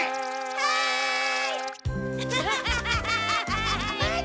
はい！